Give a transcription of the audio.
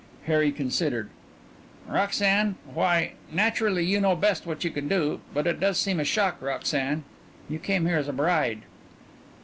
Harry considered. "Roxanne, why naturally you know best what you can do, but it does seem a shock, Roxanne. You came here as a bride."